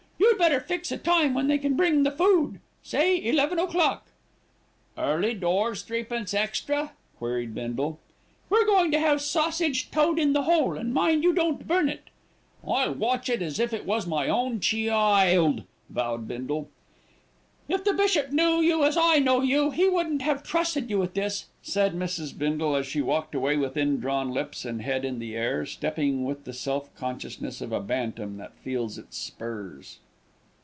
You'd better fix a time when they can bring the food, say eleven o'clock." "Early doors threepence extra?" queried Bindle. "We're going to have sausage toad in the hole, and mind you don't burn it." "I'll watch it as if it was my own cheeild," vowed Bindle. "If the bishop knew you as I know you, he wouldn't have trusted you with this," said Mrs. Bindle, as she walked away with indrawn lips and head in the air, stepping with the self consciousness of a bantam that feels its spurs.